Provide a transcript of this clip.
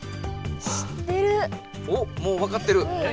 おっもうわかってる。